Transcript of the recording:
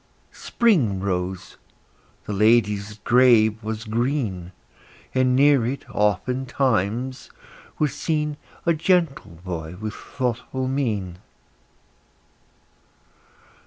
Spring rose; the lady's grave was green; And near it, oftentimes, was seen A gentle boy with thoughtful mien.